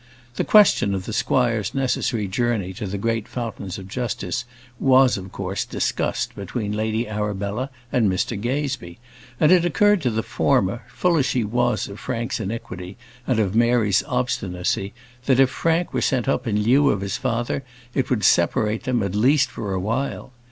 The question of the squire's necessary journey to the great fountains of justice was, of course, discussed between Lady Arabella and Mr Gazebee; and it occurred to the former, full as she was of Frank's iniquity and of Mary's obstinacy, that if Frank were sent up in lieu of his father, it would separate them at least for a while.